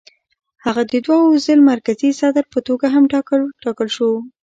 هغه د دوو ځل مرکزي صدر په توګه هم وټاکل شو.